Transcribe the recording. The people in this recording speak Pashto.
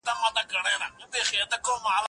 زه پرون مېوې وچوم وم.